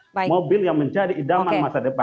mengkampanyekan mobil yang menjadi idaman masa depan